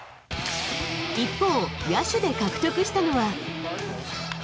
一方、野手で獲得したのは。